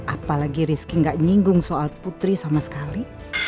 apalagi rizky gak nyinggung soal putri sama sekali